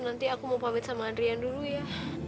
nanti aku mau pamit sama adrian dulu ya